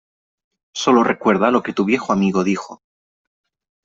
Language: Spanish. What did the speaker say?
Sólo recuerda lo que tu viejo amigo dijo .